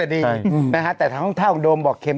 ดุ่มเก้งเก่งเนอะ